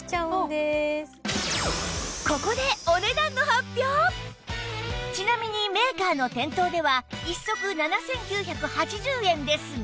ここでちなみにメーカーの店頭では１足７９８０円ですが